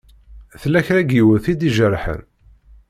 Tella kra n yiwet i d-ijerḥen?